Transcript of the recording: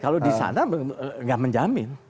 kalau di sana nggak menjamin